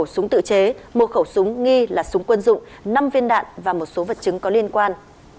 một súng tự chế một khẩu súng nghi là súng quân dụng năm viên đạn và một số vật chứng có liên quan